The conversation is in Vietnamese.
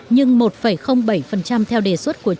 nhưng một bảy theo đề xuất của chủ tịch